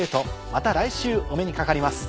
また来週お目にかかります。